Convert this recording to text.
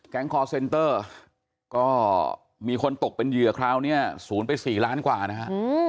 คอร์เซนเตอร์ก็มีคนตกเป็นเหยื่อคราวนี้ศูนย์ไป๔ล้านกว่านะฮะ